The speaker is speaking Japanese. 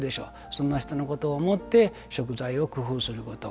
そんな人のことを思って食材を工夫すること。